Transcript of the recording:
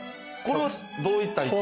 これはどういった意図？